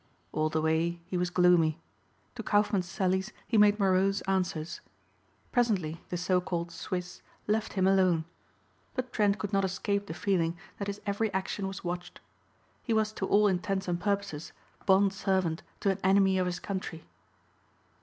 All the way he was gloomy. To Kaufmann's sallies he made morose answers. Presently the so called Swiss left him alone. But Trent could not escape the feeling that his every action was watched. He was to all intents and purposes bond servant to an enemy of his country.